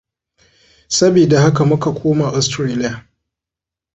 Sabida haka muka koma Austarlia.